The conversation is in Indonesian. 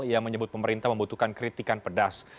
ia menyebut pemerintah membutuhkan kritikan pedas